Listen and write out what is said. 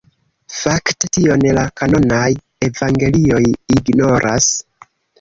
Fakte tion la kanonaj evangelioj ignoras.